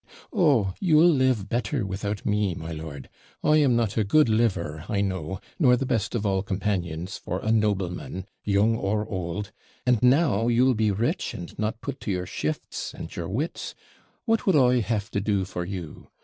'Oh! you'll live better without me! my lord; I am not a good liver, I know, nor the best of all companions for a nobleman, young or old; and now you'll be rich, and not put to your shifts and your wits, what would I have to do for you?